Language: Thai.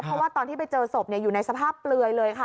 เพราะว่าตอนที่ไปเจอศพอยู่ในสภาพเปลือยเลยค่ะ